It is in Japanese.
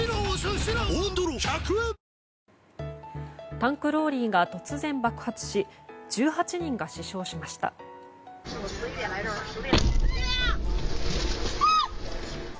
タンクローリーが突然爆発し１８人が死傷しました。